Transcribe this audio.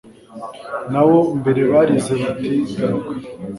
Nabo mbere barize bati Garuka